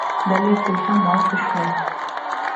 Бәлә килһә, мал төшмәҫ.